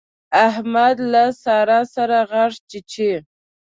احمد له سارا سره غاښ چيچي.